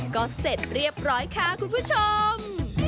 ก็เสร็จเรียบร้อยค่ะคุณผู้ชม